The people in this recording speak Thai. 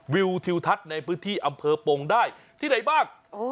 วิวทิวทัศน์ในพื้นที่อำเภอปงได้ที่ไหนบ้าง